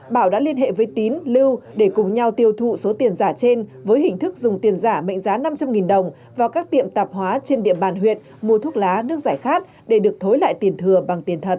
bảo đã liên hệ với tín lưu để cùng nhau tiêu thụ số tiền giả trên với hình thức dùng tiền giả mệnh giá năm trăm linh đồng vào các tiệm tạp hóa trên địa bàn huyện mua thuốc lá nước giải khát để được thối lại tiền thừa bằng tiền thật